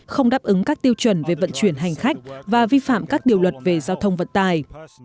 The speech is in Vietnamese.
không đáp ứng các tiêu chuẩn về vận chuyển hành khách và vi phạm các điều luật về giao thông vận tài